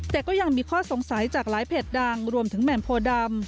แต่ก็ยังมีข้อสงสัยจากหลายเพจดังรวมถึงแหม่มโพดำ